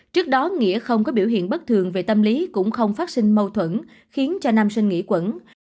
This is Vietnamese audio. trước đó nghĩa không có biểu hiện bất thường về tâm lý cũng không phát sinh mâu thuẫn khiến cho nam sinh nghỉ quẩn